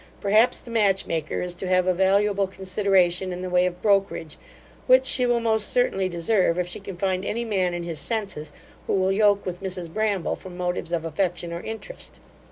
Perhaps, the match maker is to have a valuable consideration in the way of brokerage, which she will most certainly deserve, if she can find any man in his senses, who will yoke with Mrs Bramble from motives of affection or interest.